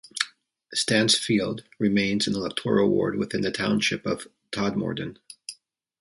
Stansfield remains an electoral ward within the township of Todmorden.